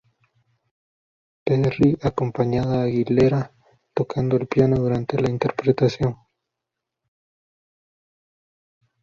Perry acompañada Aguilera tocando el piano durante la interpretación.